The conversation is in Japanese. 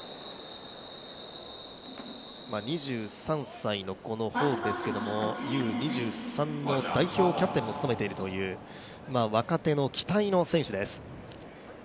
２３歳のこのホールですけれども、Ｕ２３の代表キャプテンも務めているという、若手の、期待の選手です。